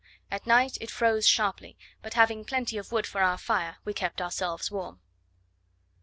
At night it froze sharply; but having plenty of wood for our fire, we kept ourselves warm.